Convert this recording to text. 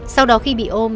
sau đó khi bị ôm